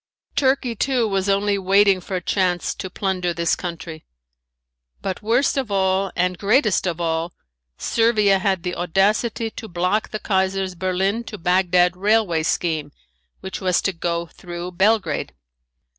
Turkey too was only waiting for a chance to plunder this country. But worst of all and greatest of all, Servia had the audacity to block the Kaiser's Berlin to Bagdad railway scheme which was to go through Belgrade.